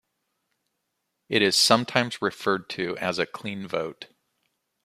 It is sometimes referred to as a clean vote.